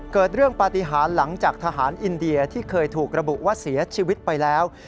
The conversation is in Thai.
เกิดเรื่องปฏิหารหลังจากทหารอินเดียที่เคยถูกระบุว่าเสียชีวิตไปแล้ว